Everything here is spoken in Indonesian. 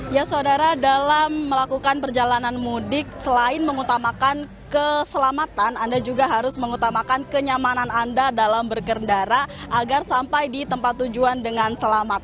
ya saudara dalam melakukan perjalanan mudik selain mengutamakan keselamatan anda juga harus mengutamakan kenyamanan anda dalam berkendara agar sampai di tempat tujuan dengan selamat